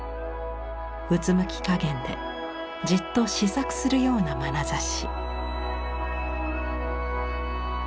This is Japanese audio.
うつむきかげんでじっと思索するようなまなざし。